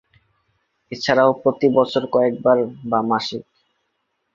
এছাড়াও প্রতি বছর কয়েকবার বা মাসিক।